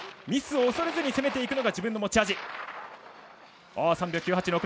ミスを恐れず攻めていくのが自分の持ち味。